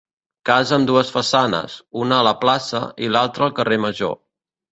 Casa amb dues façanes, una a la plaça i l'altra al carrer Major.